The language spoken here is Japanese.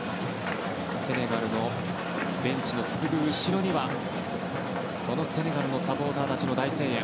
セネガルのベンチのすぐ後ろにはセネガルのサポーターたちの大声援。